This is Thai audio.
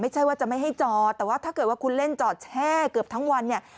ไม่ใช่ว่าจะไม่ให้จอดแต่ว่าถ้าเกิดว่าคุณเล่นจอดแช่เกือบทั้งวันเนี่ย